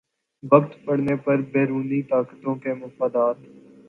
وقت پڑنے پر بیرونی طاقتوں کے مفادات